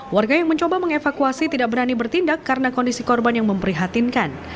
warga yang mencoba mengevakuasi tidak berani bertindak karena kondisi korban yang memprihatinkan